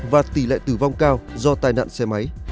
và tỷ lệ tử vong cao do tai nạn xe máy